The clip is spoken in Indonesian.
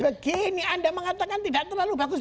begini anda mengatakan tidak terlalu bagus